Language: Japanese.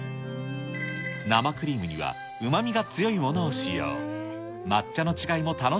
生クリームにはうまみが強いものを使用。